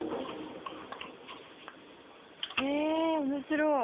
へえ面白い。